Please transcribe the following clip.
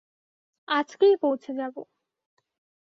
আজকেই পৌছে যাব।